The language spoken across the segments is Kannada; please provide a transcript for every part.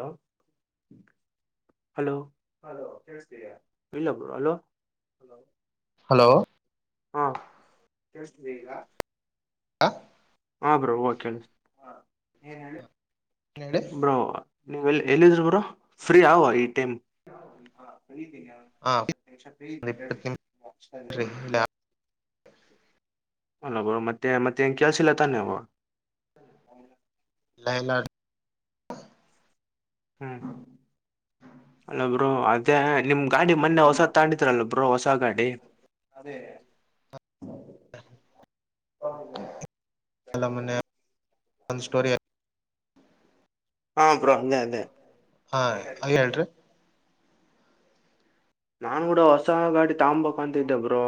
ಹಲೋ [unintelligible] ಹಲೋ ಕೇಳಿಸ್ತಿದ್ಯಾ? ಇಲ್ಲ ಬ್ರೋ ಹಲೋ ಹಲೋ ಕೇಳಿಸ್ತಿದೆ ಈಗ ಹ ಹಾ ಬ್ರೋ ಓ ಕೇಳಿಸ್ತಿದೆ ಹೇಳಿ ಬ್ರೋ ನೀವು ಎಲ್ಲಿದ್ರು ಬ್ರೋ ಫ್ರೀ ಆ ಈ ಟೈಮ್ ಹಾ ಫ್ರೀ ಇದ್ದೀನಿ ಹಾ ಇಪ್ಪತ್ತು ನಿಮಿಷ ಫ್ರೀ ಇದಿ ಹೇಳಿ ಇಪ್ಪತ್ತು ನಿಮಿಷ ಇಲ್ಲ ಅಲ್ಲ ಬ ಮತ್ತೆ ಮತ್ತೆ ಕೆಲ್ಸಿಲ್ಲ ತಾನೆ ಅವ ಇಲ್ಲ ಹ್ಮ್ ಅಲ್ಲಾ ಬ್ರೋ ಅದೇ ನಿಮ್ ಗಾಡಿ ಮೊನ್ನೆ ಹೊಸ ಹೊಸ ತಂಡಿದ್ರಲ್ಲ ಬ್ರೋ ಹೊಸ ಗಾಡಿ ಅದೆ ಅಲ್ಲ ಮೊನ್ನೆ ಒಂದು ಸ್ಟೋರಿ ಹ ಹಾ ಬ್ರೋ ಅದೇ ಹಾ ಅದೇ ಅ ಹೇಳ್ರಿ ನಾನ್ ಕೂಡ ಹೊಸ ಗಾಡಿ ತ್ಬೇಕ ಅಂತಿದ್ದೆಬರು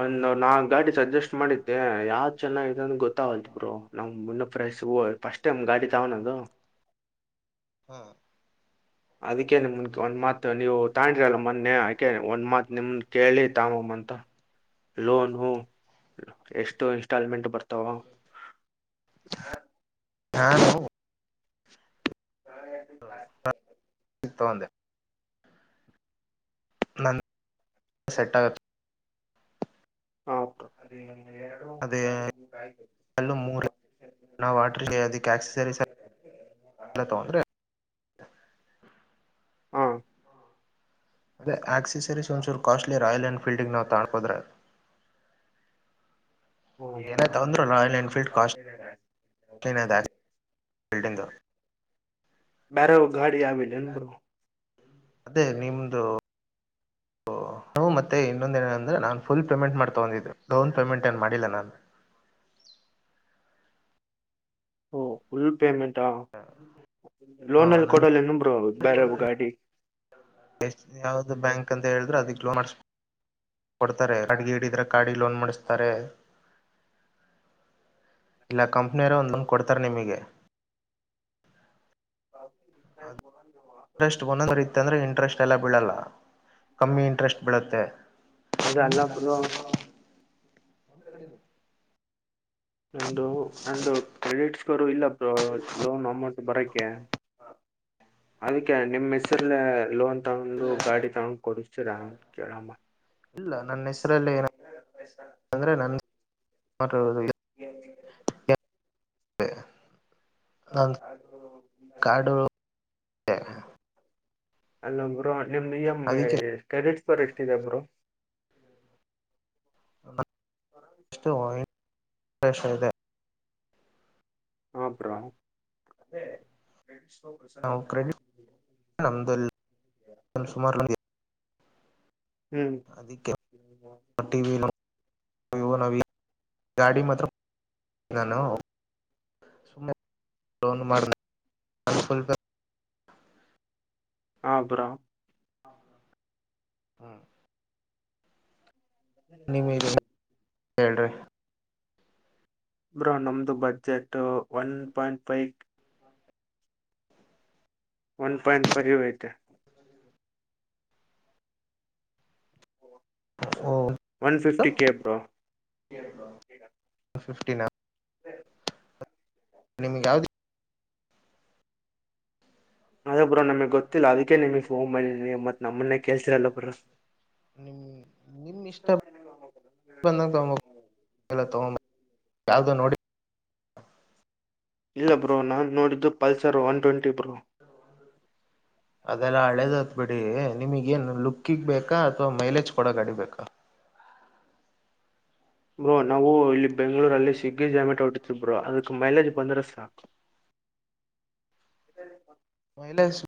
ಒಂದು ಹಾ ನಾಕ್ ಗಾಡಿ ಸಜೆಸ್ಟ್ ಮಾಡಿದ್ದೆ ಯಾವ್ ಚೆನ್ನಾಗಿದೆ ಅ ಗೊತ್ತಾಗಲ್ ಬ್ರೋ ನಮ್ ಮುನ್ನ ಪ್ರೈಸ್ ಹಫಸ್ಟ್ ಗಾಡಿ ತಾವ ನದು ಹ [inaudible] ಅದಕ್ಕೆ ನಿಮ ಒಂದ್ ಮಾತ್ ನೀವು ತಂಡ್ರಿ ಅಲ್ಲ ಮೊನ್ನೆ ಅಕೆ ಒಂದ್ ಮಾತ್ ನಿಮ ಕೇಳಿ ತಾಮಮ್ಮ ಅಂತ ಲೋನ್ ಹ ಎಷ್ಟು ಇನ್ಸ್ಟಾಲ್ಮೆಂಟ್ ಬರ್ತಾವ ಹಾ ಹ ತಗಂದೆ ನಂದ ಸೆಟ್ ಆಗುತ್ತೆ ಹ ಅ ಅದಲ್ಲು ಮೂ ವಾಟ್ರಗೆ ಅದಕ್ಕೆ ಆಕ್ಸಸರೀಸ್ ಎಲ್ಲ ತಗಂದ್ರೆ ಹಾ ಅದೇ ಆಕ್ಸೆಸರೀಸ್ ಒಂದಸೂರು ಕಾಸ್ಟ್ಲಿ ರಾಯಲ್ ಎನ್ಫೀಲ್ಡಿಂಗ್ ನಾವು ತಾಣ್ಕೋದ್ರೆ ರಾಯಲ್ ಎನ್ಫೀಲ್ಡ್ ಕಾಸ್ಟ್ಲಿ ನೇ ಕಾಸ್ಟ್ಲಿನೇ ಇದೆ ಅದು [unintelligible] ಬಿಲ್ಡಿಂಗ್ [unintelligible] ಬ್ಯಾರೆವು ಗಾಡಿ ಯಾವ್ ಇಲ್ಲೇನ್ ಬ್ರೋ ಅದೇ ನಿಮ್ದು [unintelligible] ಹ್ಮ ಮತ್ತೆ ಇನ್ನೊಂದ ಏ ಅಂದ್ರೆ ನಾನ್ ಫುಲ್ ಪೇಮೆಂಟ್ ಮಾಡ್ ತಗೊಂಡಿದ್ದೆ ಡೌನ್ ಪೇಮೆಂಟ್ ಏನ್ ಮಾಡಿಲ್ಲ ನಾನು [unintelligible] ಓ ಫುಲ್ ಪೇಮೆಂಟಾ ಹ ಲೋನಲ್ಲಿ ನಂದ್ ಕೊಡಲ್ಲ ನಂಬರು ಬೇರೆ ಒ ಗಾಡಿ ಯಾವ್ದು ಬ್ಯಾಂಕ್ ಅಂತ ಹೇಳಿದ್ರೆ ಅದ ಗಲೋ ಮಾಡ್ು ಕೊಡ್ತಾರೆ ಅಡ್ಗೆ ಹಿಡಿದ್ರ ಕಾಡಿ ಲೋನ್ ಮಾಡಿಸತಾರೆ ಇಲ್ಲ ಕಂಪ್ನಿಯರ ಒಂದೊಂದು ಕೊಡ್ತಾರೆ ನಿಮಗೆ ಹೋರ ಇಂಟ್ರೆಸ್ಟ್ ಒಂದೊಂದ ಬರಿತ್ತೆ ಅಂದ್ರೆ ಇಂಟ್ರೆಸ್ಟ್ ಎಲ್ಲ ಬೀಳಲ್ಲ ಕಮ್ಮಿ ಇಂಟ್ರೆಸ್ಟ್ ಬೀಳುತ್ತೆ ಅದ ಅಲ್ಲ ಬ್ರೋ ಹ್ಮ ಕಡೆ ನಂದು ನಂದು ಕ್ರೆಡಿಟ್ ಸ್ಕೋರು ಇಲ್ಲ ಲೋನ್ ಅಮೌಂಟ್ ಬರಕ್ಕ ಅದಕ್ಕೆ ನಿಮ್ಮ್ ಹೆಸರ್ಲೆ ಲೋನ್ ತಗೊಂಡು ಗಾಡಿ ತಗೊಂಡ್ ಕೊಡಿಸ್ತರ ಕೇಳಮ್ಮ ಇಲ್ಲ ನನ್ನ ಹೆಸರಲ್ಲಿ ಏ ಅಂದ್ರೆ ನ [unintelligible] ಹ ನ ಕಡು ಅಲ್ಲ ಬೋ ನಿಮ್ದು ಎಮ್ ಅದಕ್ಕೆ ಕ್ರೆಡಿಟ್ ರಿ ಎಷ್ಟಿದೆ ಬರೋ [unintelligible] ಹಪರಾ ನಾವು ಕ್ರೆಡಿಟ್ ನಮ್ದ ಸುಮಾರ ಹ್ಮ್ ಅದಿಕ್ಕೆ ಟ ವಿ ಅಯ್ಯೋ ನವು ಗಾಡಿ ಮಾತ್ರ ನಾನು ಸುಮ್ಮನೆ ಮಾಡ ನು ಸ್ವಲ್ಪ ಹಾ ಬರಾ ಹ್ಮ ಹ್ಮ ಹ್ಮ್ಮ ಹೇಳ್ರಿ ಬ್ರೋ ನಮ್ದು budget one point five one point ಪರಿಯತೆ ಓ ಒನ್ ಫಿಫ್ಟಿ ಕೇ ಬ್ರೋ ಫಿಫ್ಟಿನ ನಿಮಗೆ ಯಾವ್ದ ಅದ ಬು್ರಾ ನಮಗ್ ಗೊತ್ತಿಲ್ಲ ಅದಕ್ಕೆ ನಿಮಗ್ ಫೋನ್ ಮಾಡಿ ನೀ ಮತ್ ನಮ್ಮನ್ನೇ ಕೇಳ್ಸಿರಲ್ಲ ಬ್ರ ನಿಮ್ ನಿಮ್ [inaudible] ಇಷ್ಟ ಇಷ್ಟಪ ಯಾಾವವುದೋ ನೋಡಿ ಇಲ್ಲ ಬ್ರೋ ನಾನ್ ನೋಡಿದ್ದು ಪಲ್ಸರ್ ಒನ್ ಟ್ವೆಂಟಿ ಬ್ರೋ ಅದೆಲ್ಲಾ ಹಳೆದತ್ ಬಿಡಿ ನಿಮಗೇನ್ ಲುಕ್ಕಿಗ್ ಬೇಕಾ ಅಥವಾ ಮೈಲೇಜ್ ಕೊಡ ಅಡಿಬೇಕಾ ಬ್ರೋ ನಾವು ಇಲ್ಲಿ ಬೆಂಗ್ಗಳೂರಲ್ಲಿ ಸಿಗ್ಗಿ ಜಾಮೆಟ್ ಹೊಟ್ಟತೀ್ರೋ ಅದಕ್ ಮೈಲೇಜ್ ಬಂದ್ರೆ ಸಾಕು ಎ ಮೈಲಜ್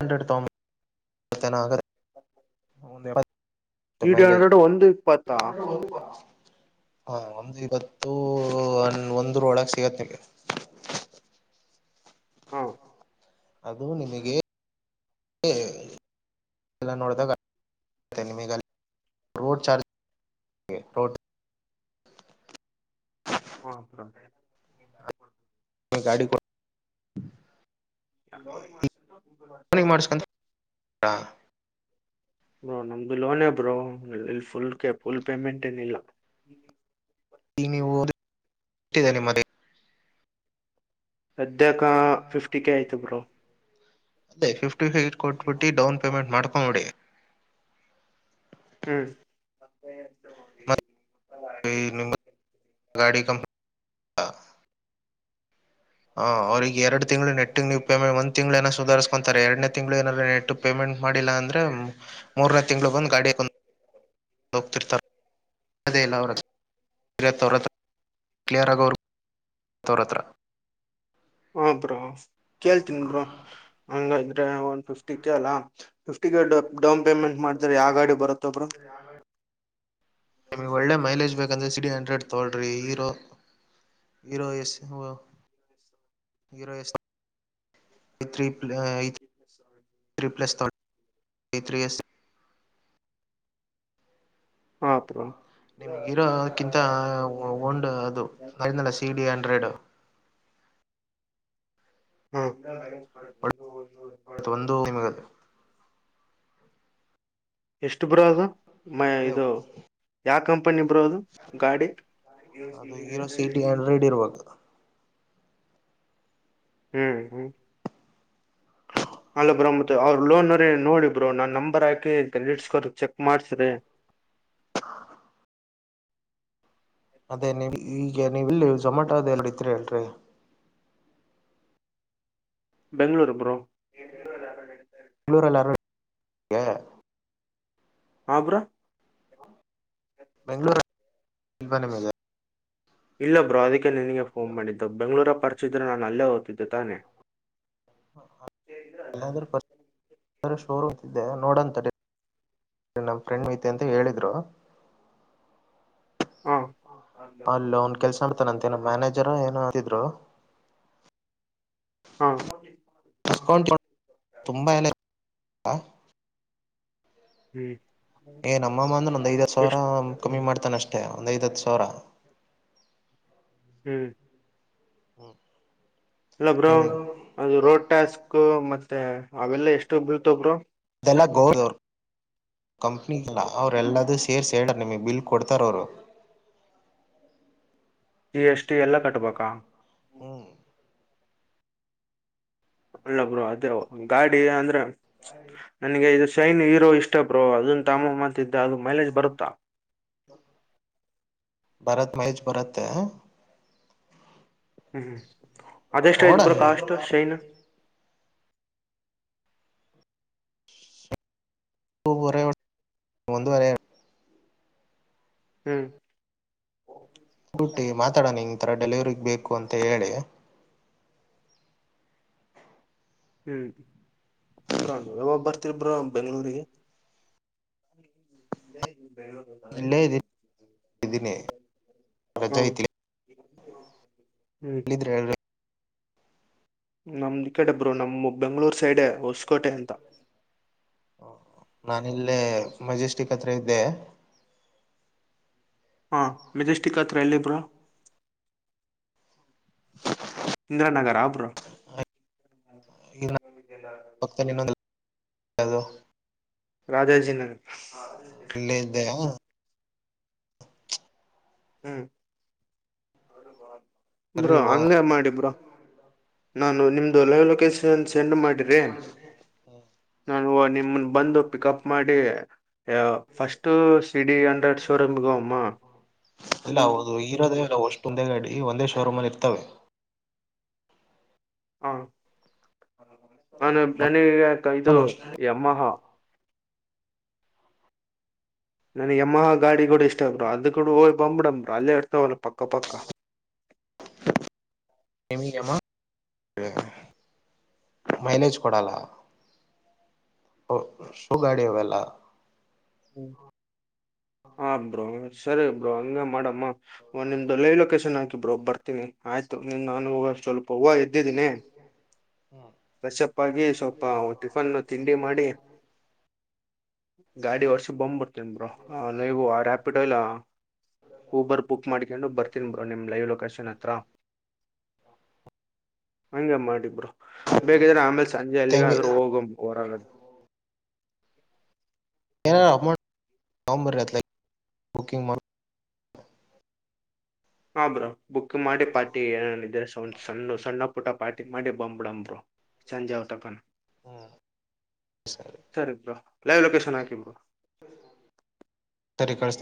ಹಂಡ್ರೆಡ್ ತಾಮಸ್ತ್ತನ ಆಗ ಎಪ್ಪತ್ತು ಮೈಲೇಜ್ ಈಡನ್ರೋಡ ಒಂದು ಇಪ್ಪತ್ತ ಹಾ ಒಂದು ಇವತ್ತು ಒಂದರ ಒಳಗೆ ಸಿಗತ್ ನಿಗೆ [inaudible] ಹಾ ಅದು ನಿಮಗೆ ಲ್ಲ ನೋಡಿದಾಗ ನಿಮೀಗೋಡ್ ಚಾರ್ಜ್ ಟೋಟ್ ಹಓತ್ರ [unintelligible] ಗಾಡಿ ಕೊಡ ಯ ೋಲಿಂಗ ಮಾಡಸ ತುಕೂರು ಮಾಡರ ಮಾಡ್ಸ್ಕೊಂತ ಬ್ರೋ ನಮ್ದು ಲೋನೇ ಬ್ರೋ ಫುಲ್ ಫುಲ್ ಪೇಮೆಂಟ್ ಏನಿಲ್ಲ ಈಗ ನೀವು ಓದ ನಿಮ್ಮದೇ ಫಿಫ್ಟಿ ಕೆ ಆಯ್ತು ಬ್ರೋ ಅದೇ ಫಿಫ್ಟಿ ಫಟ್ ಕೊಟ್ಬಿಟ್ಟು ಡೌನ್ ಪೇಮೆಂಟ್ ಮಾಡ್ಕೊ ನೋಡಿ ಹ್ಮ್ ಗಾಡಿ ಕಂ ಹ ಅವ್ರಿಗೆ ಎಡು ತಿಂಗಳು ನೆಟ್ಟಿಗೆ ನೀವು ಪೇಮೆಟ್ ಒಂದ ತಿಂಗಳು ಏನ ಸುಧಾರಸ್ಕೊಂತಾರೆ ಎರಡನ ತಿಂಗಳು ಏಾದ ನೆಟ್ ಪೇಮೆಂಟ್ ಮಾಡಿಲ್ಲ ಅ ಅಂದ್ರೆ ಮೂರನೇ ತಿಂ್ಗಳು ಬಂದು ಗಾಡಿಯ ಕು ಲೋಕ್ತಿರ್ತ ಅದೇ ಇಲ್ಲ ಅವ ಅವರ ಕ್ಲಿಯರ್ ಆಗಿ ಅವರು ತೋರ ಹತ್ರ ಹ ಬ್ರೋ ಕೇಳ್ತೀನ್ಿ ಬ್ರೋ ಹಂಗ ಇದ್ರೆ ಒನ್ ಫಿಫ್ಟಿ ಕಲ ಫಿಫ್ಟಿಗೆಡ ಡೌನ್ ಪೇಮೆಂಟ್ ಮಾಡಿದ್ರ ಯಾವ ಗಾಡಿ ಬರುತ್ತ ಬ್ರೋ ನಿಮಗೆ ಒಳ್ಳೆ ಮೈಲೇಜ್ ಬೇಕಂದ್ರೆ ಅಂದರೆ ಸಿಡಿ ಹಂಡ್ರೆಡ್ ತೋಡ್ರಿ hero hero S hero S ತ್ರ ತ್ರೀ ಪ್ಲಸ್ ತ ಸ್ ಹಾ ಬ್ರೋ ನಿಮ್ಗಿರೋಕಿಂತ ಒೊಂಡ ಅದುಲ್ಲ ಸಿ ಡಿ ಹಂಡ್ರೆಡ್ ಹ ಇವತ್ತ ಒಂದುಮದು ಎಷ್ಟು ಬ್ರೋ ಅದು ಮ ಅದೇ ಇದು ಯಾವ ಕಂಪನ ಪನ್ನಿಬರೋದು ಗಾರ್ಡಿ ಅದು ಹೀರೋ ಸಿ ಡಿ ಹಂಡ್ರೆಡ್ ಇರ್ಬೇಕು ಹ್ಮ್ ಹ್ಮ ಅಲ್ಲ ಬರ ಮತ್ ಅವರು ಲೋನ್ ೆ ನೋಡಿ ಬ್ರರು ನಾ ನಂಬರ್ ಹಾಕಿ ಕ್ರೆಡಿಟ್ ಸ್ಕೋರ್ ಚೆಕ್ ಮಾಡ್ಸ್ರಿ [inaudible] ಅದೇ ನೀ ಈಗ ನೀವ ಇಲ್ಲಿ ಜೊಮಾಟೋ ಅದೆ ಎರ ಇದರಿ ಅಲ್ರರಿ ಬೆಂಗಗಳೂರು ಬ್ರೋ ಹ ಹಬರಾ ಬೆಂ್ಗಳೂರುಲ್ಪನೆ ಮೇಜ ಇಲ್ಲ ಬ್ರೋ ಅದಕ್ಕೆ ನಿನಗೆ ಫೋನ್ ಮಾಡಿದ್ದು ಬೆಂಗಗಳೂರ ಪರ್ಚಿದ್ರೆ ನಾನು ಅಲ್ಲೇ ಓ್ತಿದ್ದೆ ತಾನೆ [inaudible] ರ ಶೋರೂಮ್ ತಿದ್ದೆ ನೋಡಂತ ನಮ್ಮ ಫ್ರೆಂಡ್ ಮಐತಿ ಅಂತ ಹೇಳಿದ್ರು [inaudible] ಅಲ್ಲೋನ್ ಕೆಲ್ಸ ಬಿಡ್ತಾನಂತೆ ನಮ್ ಹಾ ಮ್ಯಾನೇಜರ್ ಏನ ಆತಿದ್ರು ಹಾ ಡಿಸಕೌಂಟ್ [unintelligible] ತುಂಬಾ ಎಲ್ಲ ಆ ಹ್ಮ್ ಏ ನಮ್ಮಮ್ಮ ಅಂದ್ರೆ ಒಂದ್ ಐದ್ ಸಾವಿರ ಎಷ್ಟು ಕಮ್ಮಿ ಮಾಡ್ತಾನ ಅಷ್ಟೇ ಒಂದ್ ಐದ ಹತ್ತು ಸಾವಿರ ಹ್ಮ್ ಹ್ಮ ಇಲ್ಲ ಬ್ರರು ಅದು ರೋಡ್ ಟ್ಯಾಸ್ಕ್ ಮತ್ತೆ ಅವೆಲ್ಲ ಎಷ್ಟು ಬೀಳ್ತವ ಬ್ರರು ಗೌದೌರ್ ಕಂಪ್ನಿಲ್ಲ ಅವರೆಲ್ಲದೂ ಸೇರ್ಸ್ ಹೇಳ ನಿಮಿಗ್ ಬಿಲ್ ಕೊಡ್ತಾರ ಅವರು [inaudible] ಜಿಎಸ್‌ಟಿ ಎಲ್ಲಾ ಕಟ್ಬೇಕಾ ಹ್ಮ್ ಅಲ್ಲ ಬ್ರೋ ಅದೇ ಗಾಡಿ ಅಂದ್ರೆ ನನಗೆ ಇದು ಸೈನ್ ಹೀರೋ ಇಷ್ಟ ಷ್ಟ ಬ್ರೋ ಅಲ್ತಾಮಮ್ ಮಾಂತ್ದ ಅದು ಮೈಲೇಜ್ ಬರುತ್ತಾ ಭರತ್ ಮಹಜ್ ಭರತ್ತೆ ಹ್ಮ್ ಹ್ಮ್ ಅದೇಸ್ಟೈತೆ ನೋಡಣ ಬ್ರೋ ಕಾಸ್ಟ್ ಶೈನ್ ವರೆ ಒಂದುವರೆ ಹ್ಮ್ ಬುಟ್ಟಿ ಮಾತಾಡನ್ಗಿ ಇಥರ ಡೆಲಿಯರಿಗ್ ಬೇಕು ಅಂತ ಹೇಳಿ ಹ್ಮ್ ಸಿಬ್ರನ್ದು ಯಾವ್ಗ ಬರ್ ತ್ತಿ ಬ್ರೊ ಬೆಂಗಳೂರಿಗೆ ಇಲ್ಲೇ ದಿನಿ ರಜಾ ಐತ್ಲೆ [inaudible] ನಿದ್ರೆ ಏಳ್ರೇ ನಮ್ದ್ ಈ ಕಡೆ ಬ್ರೋ ನಮ್ಮ ಬೆಂಗ್ಗಳೂರ್ ಸೈಡೆ ಹೊಸಕೋಟೆ ಅಂತ ನಾನಲ್ಲೇ ಮಜೆಸ್ಟಿಕ್ ಹತ್ರ ಇದ್ದೆ ಹಾ ಮೆಜೆಸ್ಟಿಕ್ ಹತ್ರ ಎಲ್ಲಿ ಬ್ರೋ ಇಂದ್ರ ನಗರ ಅಬ್ರೋ ಇನ್ನ ಪಕ್ಕದಲ್ಲಿ ಇನ್ನೊ ಏ ಅದು ರಾಜಾಜಿನ ಇಲ್ಲೇ ಇದ್ದೆಯಾ ಹ್ಮ್ ಸರಿ ಬ್ರೋ ಹಂಗ ಮಾಡಿ ಬ್ರೋ ನಾನು ನಿಮ್ದು ಲೈವ್ ಲೊಕೇಶನ್ನ್ ಸೆಂಡ್ ಮಾಡಿರಿ ನಾನು ನಿಮ್ ನ ಬಂದು ಪಿಕಪ್ ಮಾಡಿ ಯಾವು ಫಸ್ಟ್ ಸಿಡಿ ಹಂಡ್ರೆಡ್ ಶೋರೂಮ್ಗ ಅಮ್ಮ ಇಲ್ಲ ಅವ್ರುದು ಇರೋದೇ ಅವು ಒಷ್ಟೊಂದವೆ ಗಡಿ ಒಂದೇ ಶೋರೂಮ್ ಅಲ್ಲಿ ಇರ್ತವೆ ಹಾ ಅನನ್ ನನಗೆ ತಂದು ಯಮ್ಮಹ ನನಗೆ ಯಮ್ಮಹ ಗಾಡಿ ಕೂಡ ಇಷ್ಟ ಬ್ರೋ ಅದು ಕೂಡ ಹೋಯ್ ಬಂಬ್ಬಿಡಂಬ್ರ ಅಲ್ಲೇ ಇರ್ತವಲ್ಲ ಪಕ್ಕ ಪಕ್ಕ ಎಲ್ಲಿಗಮ್ಮ ವೆ ಮೈಲೇಜ್ ಕೊಡಾಲ ಓ ಓಗಾಡಿಯ ಅಲ್ಲ ಹ್ಮ್ ಹ ಬ್ರೋ ಸರಿ ಬ್ರೋ ಹಂಗ ಮಾಡಮ್ಮ ಒ ನಿಮ್ದು ಲೈವ್ ಲೊಕೇಶನ್ ಹಾಕಿ ಬ್ರೋ ಬರ್ತೀನಿ ಆಯ್ತು ನಾನು ಹೂ ಸ್ವಲ್ಪ ಹೂವು ಎದ್ದಿದ್ದೀನಿ ಕಶಪ್ಪಾಗಿ ಸ್ವಲ್ಪ ಟಿಫನ್ ತಿಂಡಿ ಮಾಡಿ ಗಾಡಿ ವರ್ಷ ಬೊಂಬ್ ಬುರ್ತಿಬ್ರೋ ಅಲೈವ ರ್ಯಾಪಿಡ್ ಅಲ್ಲ ಊಬರ್ ಬುಕ್ ಮಾಡ್ಕೊಂಡು ಬರ್ತೀನಿ ನಿಮ್ ಲೈವ್ ಲೊಕೇಶನ್ ಹತ್ರ ಹಂಗೆ ಮಾಡಿ ಬ್ರೋ ಬೇಕಿದ್ರೆ ಆಮೇಲೆ ಸಂಜೆ ಅಲ್ಲಿಗೆ ಹಂಗೆ ಆದ್ರೂ ಹೋಗ ಹೊರಗದು ಯ ನಂಬ ಬುಕಂಗ್ ಮಾಡ ಹಾ ಬ್ರೋ ಬುಕ್ ಮಾಡಿ ಪಾರ್ಟಿ ಏನ ಇದ್ರ ಸ್ ಸಣ್ಣ ಸಣ್ಣ ಪುಟ ಪಾರ್ಟಿ ಮಾಡಿ ಬಂಬ್ಡಂಬರು ಸಂಜೆಾವ್ ತಪಾನ ಹ್ಮ [inaudible] ಸರಿ ಬಾ ಲೈವ್ ಲೊಕೇಶನ್ ಹಾಕಿ ಬ ಸರಿ ಕಳಿಸ್ತೀನಿ